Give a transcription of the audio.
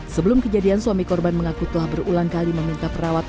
sebelum kejadian suami korban mengakutlah berulang kali meminta perawat